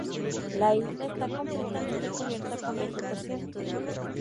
La isla está completamente cubierta con vegetación.